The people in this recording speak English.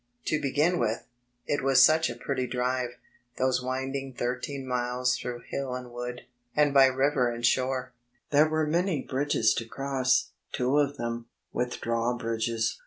To be gin with, it was such a pretty drive, those winding thirteen miles through hill and wood, and by river and shore. There were many bridges to cross, two of them, with drawbridges.